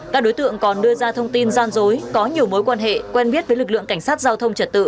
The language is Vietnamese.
các đối tượng còn đưa ra thông tin gian dối có nhiều mối quan hệ quen biết với lực lượng cảnh sát giao thông trật tự